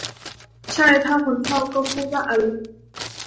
ใช่ถ้าคุณชอบ ก็พูดว่าอลิซ